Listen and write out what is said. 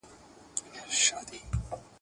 چا چي نه وي د سبا خوارۍ منلي !.